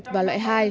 và loại hai